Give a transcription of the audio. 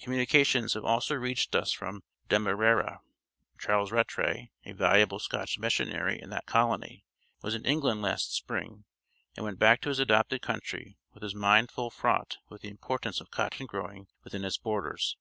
Communications have also reached us from Demerara. Charles Rattray, a valuable Scotch missionary in that colony, was in England last spring, and went back to his adopted country with his mind full fraught with the importance of cotton growing within its borders.